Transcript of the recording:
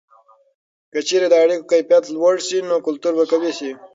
که چیرې د اړیکو کیفیت لوړه سي، نو کلتور به قوي سي.